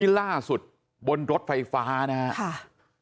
ล่าสุดบนรถไฟฟ้านะครับ